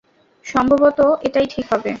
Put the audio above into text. সম্ভবত এটাই ঠিক হবে।